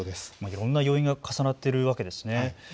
いろんな要因が重なっているわけですね。